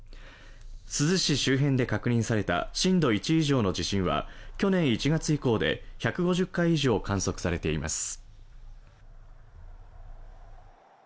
珠洲市周辺で確認された震度１以上の地震は去年１月以降で１５０回以上観測されています。